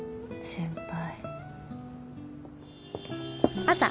先輩。